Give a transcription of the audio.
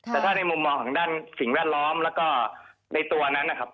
แต่ถ้าในมุมมองทางด้านสิ่งแวดล้อมแล้วก็ในตัวนั้นนะครับ